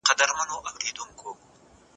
د کورونو ټول څراغونه په تیاره کې مړه ښکارېدل.